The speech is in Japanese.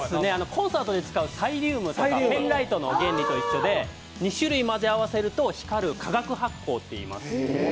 コンサートで使うサイリウムとかペンライトの原理と一緒で２種類混ぜ合わせると光る化学発光といいます。